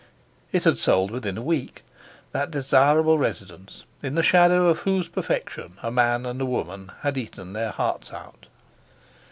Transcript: It had sold within a week—that desirable residence, in the shadow of whose perfection a man and a woman had eaten their hearts out.